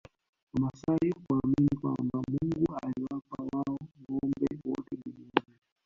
Wamasai huamini kwamba Mungu aliwapa wao ngombe wote duniani